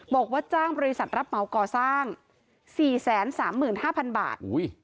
บอกว่าจ้างบริษัทรับเหมาก่อสร้าง๔๓๕๐๐๐บาท